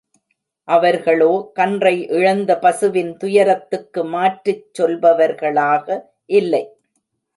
அவர்களோ கன்றை இழந்த பசுவின் துயரத்துக்கு மாற்றுச் சொல்பவர்களாக இல்லை.